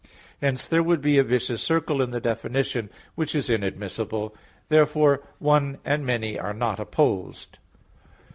Hence there would be a vicious circle in the definition; which is inadmissible. Therefore "one" and "many" are not opposed.